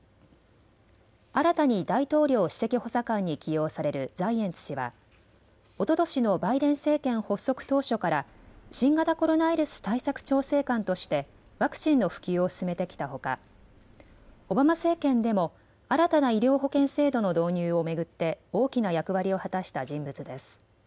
新たに大統領首席補佐官に起用されるザイエンツ氏はおととしのバイデン政権発足当初から新型コロナウイルス対策調整官としてワクチンの普及を進めてきたほかオバマ政権でも新たな医療保険制度の導入を巡って大きな役割を果たした人物です。